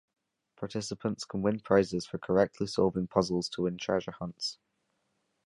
Participants can win prizes for correctly solving puzzles to win treasure hunts.